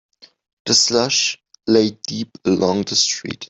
The slush lay deep along the street.